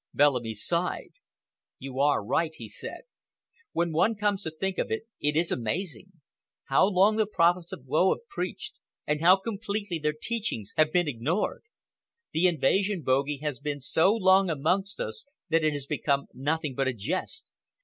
Bellamy sighed. "You are right," he said. "When one comes to think of it, it is amazing. How long the prophets of woe have preached, and how completely their teachings have been ignored! The invasion bogey has been so long among us that it has become nothing but a jest.